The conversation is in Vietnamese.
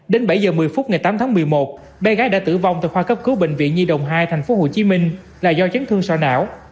đến bảy giờ một mươi phút ngày tám tháng một mươi một bé gái đã tử vong tại khoa cấp cứu bệnh viện nhi đồng hai thành phố hồ chí minh là do chấn thương sọ não